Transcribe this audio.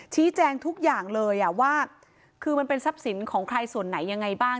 ชี้แจงทุกอย่างเลยว่าคือมันเป็นทรัพย์สินของใครส่วนไหนยังไงบ้าง